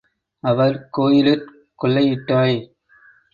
அவர் கோயிலிற் கொள்ளையிட்டாய்.